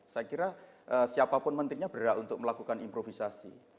saya kira siapapun menterinya berhak untuk melakukan improvisasi